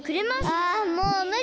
ああもうむり！